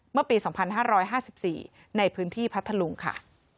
เมื่อปี๒๕๕๔ในพื้นที่พัทธลุงค่ะ